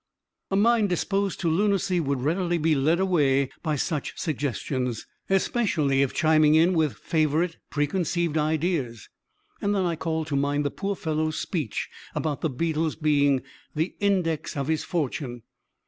A mind disposed to lunacy would readily be led away by such suggestions especially if chiming in with favorite preconceived ideas and then I called to mind the poor fellow's speech about the beetle's being "the index of his fortune."